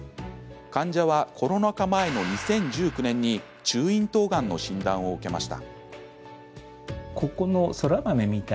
患者はコロナ禍前の２０１９年に中咽頭がんの診断を受けました。